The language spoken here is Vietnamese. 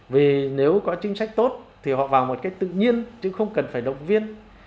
vì nếu có chính sách tốt thì họ vào một cách tự nhiên chứ không cần phải động viên